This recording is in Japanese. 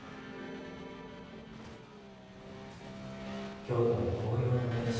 京都の紅葉の名所